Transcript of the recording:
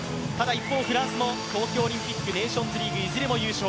一方、フランスも東京オリンピックネーションズリーグいずれも優勝。